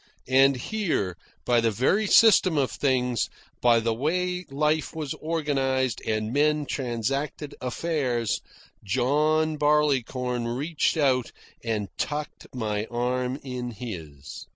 And here, by the very system of things, by the way life was organised and men transacted affairs, John Barleycorn reached out and tucked my arm in his.